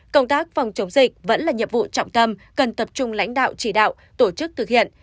công tác phòng chống dịch vẫn là nhiệm vụ trọng tâm cần tập trung lãnh đạo chỉ đạo tổ chức thực hiện